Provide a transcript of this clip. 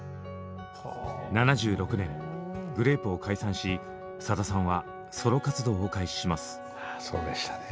７６年グレープを解散しさださんはソロ活動を開始します。